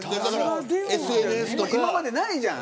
今までないじゃん。